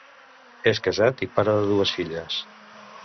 És casat i pare de dues filles.